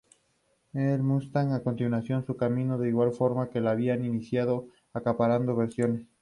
Los Mustang continuaron su camino de igual forma que la habían iniciado, acaparando versiones.